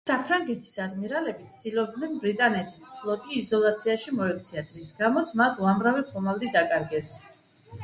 საფრანგეთის ადმირალები ცდილობდნენ ბრიტანეთის ფლოტი იზოლაციაში მოექციათ, რის გამოც მათ უამრავი ხომალდი დაკარგეს.